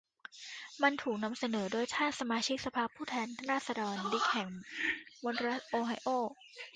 มันถูกนำเสนอโดยท่าน สมาชิกสภาผู้แทนราษฎร ดิ๊ก แห่งมลรัฐโอไฮโอ